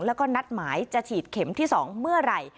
แล้วก็นัดหมายจะฉีดเข็มที่๒เมื่อไหร่